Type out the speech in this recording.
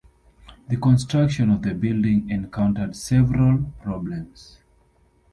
The construction of the building encountered several problems.